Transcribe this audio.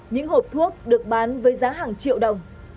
những hộp thuốc được bán với giá hàng triệu đồng